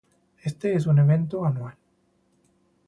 Este es un evento anual.